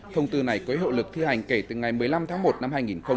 thông tư này có hiệu lực thi hành kể từ ngày một mươi năm tháng một năm hai nghìn hai mươi